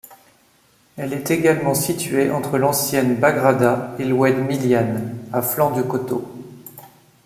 Elle est également située entre l'ancienne Bagrada et l'oued Miliane, à flanc de coteau.